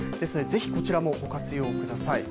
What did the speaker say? ぜひこちらもご活用ください。